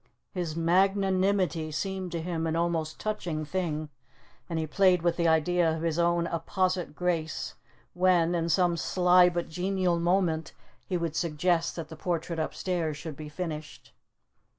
His magnanimity seemed to him an almost touching thing, and he played with the idea of his own apposite grace when, in some sly but genial moment, he would suggest that the portrait upstairs should be finished.